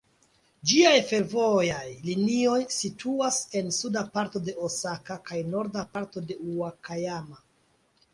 Ĝiaj fervojaj linioj situas en suda parto de Osaka kaj norda parto de Ŭakajama.